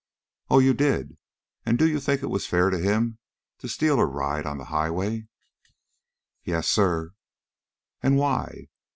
"Oh, you did; and do you think it was fair to him to steal a ride on the highway?" "Yes, sir." "And why?"